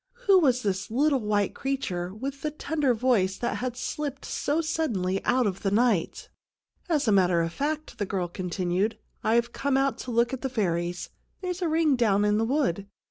Who was this little white creature with the tender voice that had slipped so suddenly out of the night ?" As a matter of fact," the girl continued, I've come out to have a look at the fairies. There's a ring down in the wood.